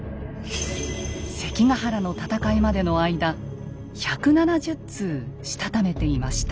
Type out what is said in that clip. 関ヶ原の戦いまでの間１７０通したためていました。